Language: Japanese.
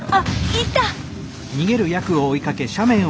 行った！